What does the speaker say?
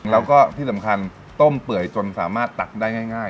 แล้วก็ที่สำคัญต้มเปื่อยจนสามารถตักได้ง่าย